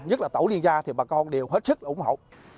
nhất là tổ liên gia thì bà con đều hết sức ủng hộ